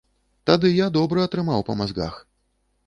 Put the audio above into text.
Тады я добра атрымаў па мазгах.